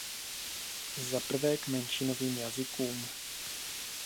Zaprvé k menšinovým jazykům.